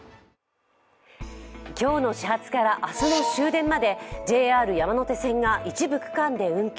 今日の始発から明日の終電までＪＲ山手線が一部区間で運休。